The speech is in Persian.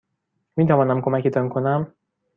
میتوانم کمکتان کنم؟